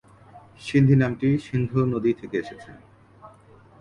সিন্ধি নামটি সিন্ধু নদী থেকে এসেছে।